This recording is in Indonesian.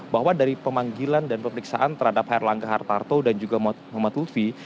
bahwa dari pemanggilan dan pemeriksaan terhadap erlangga hartarto dan juga muhammad lutfi